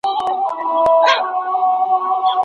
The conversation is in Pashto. ستومانه کونکی فعالیت باید لږ تر لږه وي.